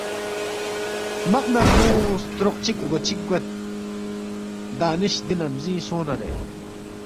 ہرمق نہ ہرمو ستروق چِک رگو چِک دانشؔ دی نمزینگ سونگنارے